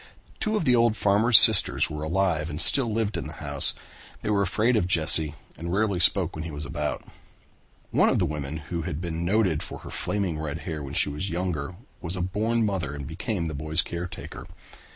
Two of the old farmer's sisters were alive and still lived in the house. They were afraid of Jesse and rarely spoke when he was about. One of the women who had been noted for her flaming red hair when she was younger was a born mother and became the boy's caretaker.